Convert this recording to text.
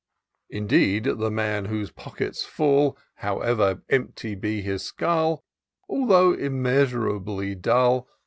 Indeed, the man whose pocket's full. However empty be his skull. Although immeasurably dull.